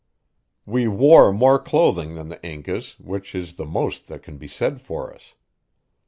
We wore more clothing than the Incas, which is the most that can be said for us.